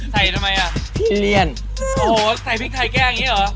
ทำไมอ่ะจิเรียนโอ้โหใส่พริกไทยแกล้งอย่างนี้เหรอ